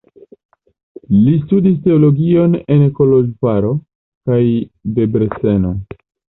Li studis teologion en Koloĵvaro kaj Debreceno.